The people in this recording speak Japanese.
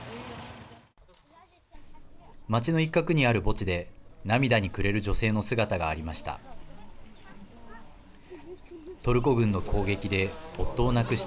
街の一角にある墓地で涙にくれる女性の姿がありました。